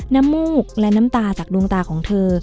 มูกและน้ำตาจากดวงตาของเธอ